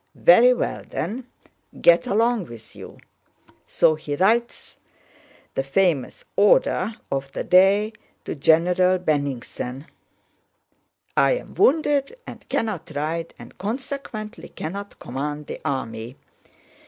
Very well then! Get along with you!' So he writes the famous order of the day to General Bennigsen: "'I am wounded and cannot ride and consequently cannot command the army.